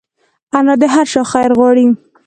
انا د هر چا خیر غواړي